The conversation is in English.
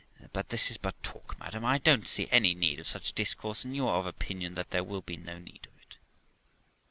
But this is but talk, madam ; I don't see any need of such discourse, and you are of opinion that there will be no need of it.'